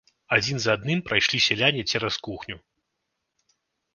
Адзін за адным прайшлі сяляне цераз кухню.